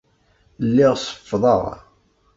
Lliɣ seffḍeɣ.